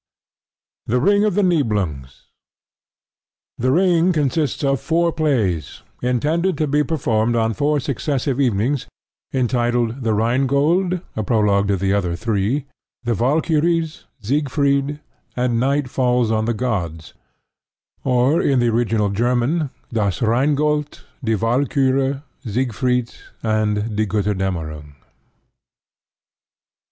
THE RING OF THE NIBLUNGS The Ring consists of four plays, intended to be performed on four successive evenings, entitled The Rhine Gold (a prologue to the other three), The Valkyries, Siegfried, and Night Falls On The Gods; or, in the original German, Das Rheingold, Die Walkure, Siegfried, and Die Gotterdammerung.